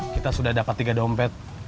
kita sudah dapat tiga dompet